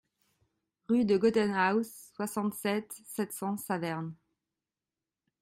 Rue de Gottenhouse, soixante-sept, sept cents Saverne